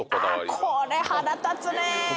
これ腹立つね！